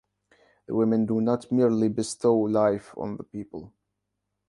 The women do not merely bestow life on the people.